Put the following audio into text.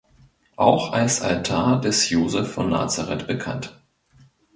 Auch als Altar des Josef von Nazaret bekannt.